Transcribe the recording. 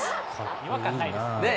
違和感ないですね。